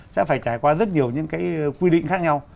sẽ phải trải qua rất nhiều những cái quy định khác nhau